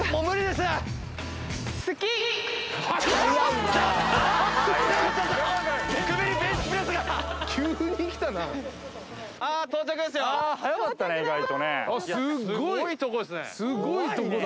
すごいとこだ！